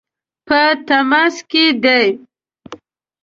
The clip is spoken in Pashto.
په تماس کې دي.